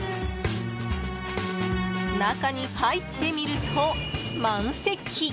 中に入ってみると、満席。